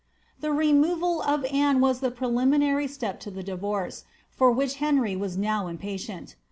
'" The removal of Anne was the preliminary step to the divorce, which Henry was now impatient.